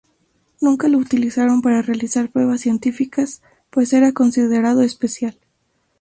Nunca lo utilizaron para realizar pruebas científicas, pues era considerado especial.